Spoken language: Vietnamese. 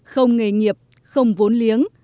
không nghề nghiệp không vốn liếng